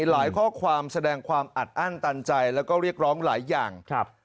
หลายข้อความแสดงความอัดอั้นตันใจแล้วก็เรียกร้องหลายอย่างครับ